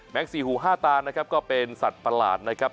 สี่หูห้าตานะครับก็เป็นสัตว์ประหลาดนะครับ